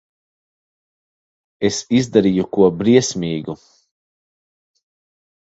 Es izdarīju ko briesmīgu.